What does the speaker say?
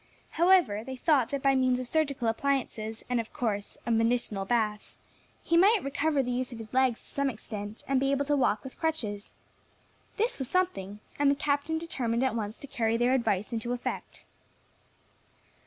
However, they thought that by means of surgical appliances, and a course of medicinal baths, he might recover the use of his legs to some extent, and be able to walk with crutches. This was something, and the Captain determined at once to carry their advice into effect.